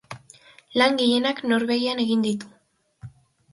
Lan gehienak Norvegian eraiki ditu.